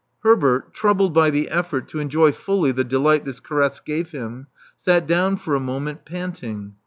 Herbert, troubled by the effort to enjoy fully the delight this caress gave him, sat down for a moment, panting.